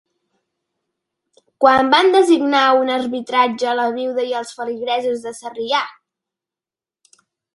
Quan van designar un arbitratge la vídua i els feligresos de Sarrià?